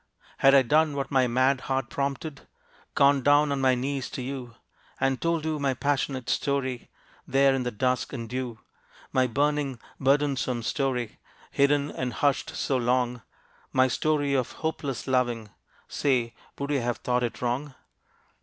Had I done what my mad heart prompted Gone down on my knees to you, And told you my passionate story There in the dusk and dew; My burning, burdensome story, Hidden and hushed so long, My story of hopeless loving Say, would you have thought it wrong?